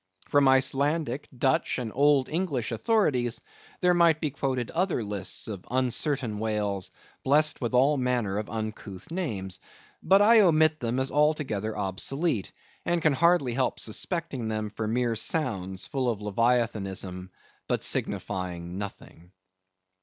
From Icelandic, Dutch, and old English authorities, there might be quoted other lists of uncertain whales, blessed with all manner of uncouth names. But I omit them as altogether obsolete; and can hardly help suspecting them for mere sounds, full of Leviathanism, but signifying nothing.